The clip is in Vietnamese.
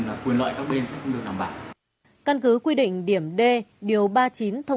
luật sư nêu rõ